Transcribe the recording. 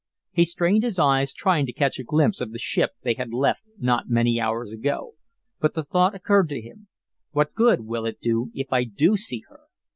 He strained his eyes trying to catch a glimpse of the ship they had left not many hours ago, but the thought occurred to him, "What good will it do if I do see her?"